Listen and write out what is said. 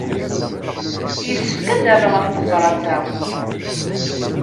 Yessefk ad rreɣ ɣef tebṛat-a.